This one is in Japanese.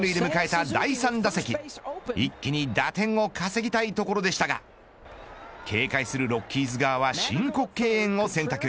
一気に打点を稼ぎたいところでしたが警戒するロッキーズ側は申告敬遠を選択。